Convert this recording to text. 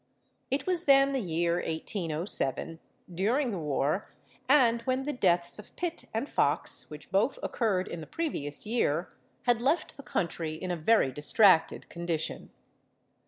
It was then the year 1807—during the war, and when the deaths of Pitt and Fox, which both occurred in the previous year, had left the country in a very distracted condition.